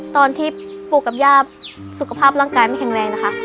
ตอนที่ปู่กับย่าสุขภาพร่างกายไม่แข็งแรงนะคะ